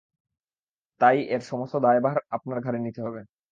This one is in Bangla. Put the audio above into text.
তাই, এর সমস্ত দায়ভার আপনার ঘাড়ে নিতে হবে।